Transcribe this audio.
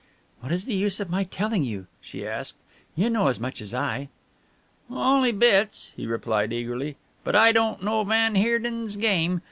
"What is the use of my telling you?" she asked. "You know as much as I." "Only bits," he replied eagerly, "but I don't know van Heerden's game.